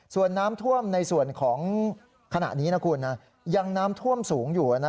ส่วนน้ำท่วมในส่วนของขณะนี้นะคุณยังน้ำท่วมสูงอยู่